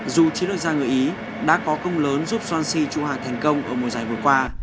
dù chỉ được ra người ý đã có công lớn giúp swansea trụ hạng thành công ở mùa giải vừa qua